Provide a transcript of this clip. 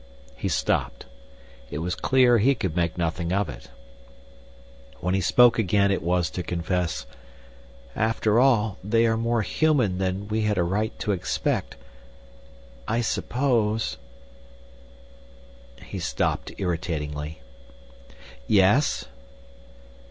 He stopped. It was clear he could make nothing of it. When he spoke again it was to confess, "After all, they are more human than we had a right to expect. I suppose—" He stopped irritatingly. "Yes?"